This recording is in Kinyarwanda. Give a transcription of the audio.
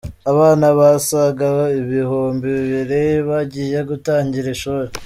Abana basaga ibihumbi bibiri bagiye gutangira ishuri